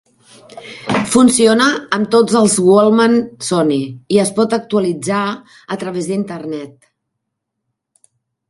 Funciona amb tots els walkman Sony i es pot actualitzar a través d'Internet.